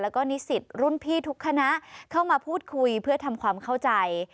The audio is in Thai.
แล้วก็นิสิตรุ่นพี่ทุกคณะเข้ามาพูดคุยเพื่อทำความเข้าใจ